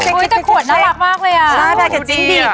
น่าแปลกจัยจริงดี